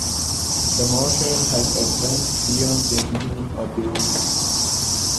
The marker has advanced beyond the beginning of the rule.